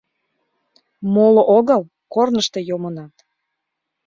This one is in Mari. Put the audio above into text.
— Моло огыл, корнышто йомынат.